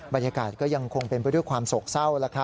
บรรยากาศก็ยังคงเป็นไปด้วยความโศกเศร้า